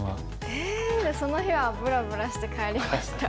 ええその日はぶらぶらして帰りました。